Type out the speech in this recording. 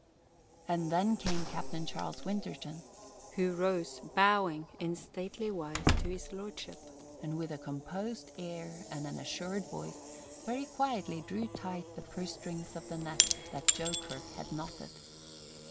And then came Captain Charles Winterton, who rose, bowing in stately wise to His Lordship, and with a composed air and an assured voice very quietly drew tight the purse strings of the net that Joe Kirk had knotted.